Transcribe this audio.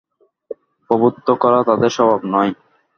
প্রভুত্ব করা তাদের স্বভাব নয়।